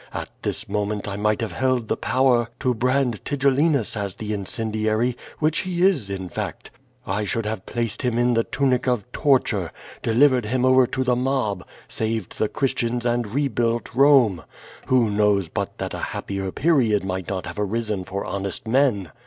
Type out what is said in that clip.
At this moment I might have held the power to brand Tigellinus as the incendiary, which he is in fact. I should have placed him in the tunic of torture, delivered him over to the mob, saved the Christians and rebuilt Rome. Who knows but that a happier period might not have arisen for honest men?